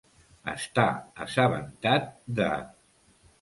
Estar assabentat de.